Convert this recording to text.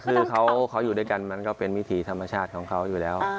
คือเขาอยู่ด้วยกันมันก็เป็นวิถีธรรมชาติของเขาอยู่แล้ว